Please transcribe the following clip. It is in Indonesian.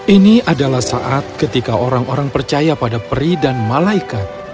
ini adalah saat ketika orang orang percaya pada peri dan malaikat